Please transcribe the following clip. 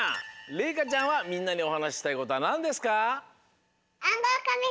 れいかちゃんはみんなにおはなししたいことはなんですか？